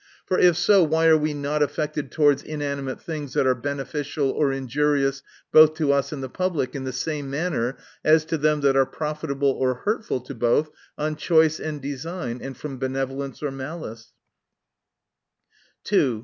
For, if so, why are we not affected towards inanimate things, that are beneficial or injurious both to us and the public, in the same manner as to them that are profitable 01 hurtful to both on choice and design, and from benevolence, or malice 1 2.